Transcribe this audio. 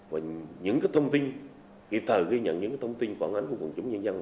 và những thông tin kịp thời ghi nhận những thông tin quản ánh của quận chủ nhân dân